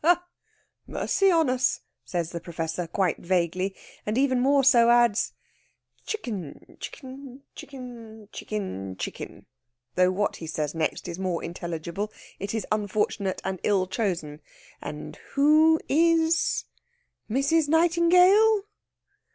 "Ha! Mercy on us!" says the Professor quite vaguely, and, even more so, adds: "Chicken chicken chicken chicken chicken!" Though what he says next is more intelligible, it is unfortunate and ill chosen: "And who is Mrs. Nightingale?"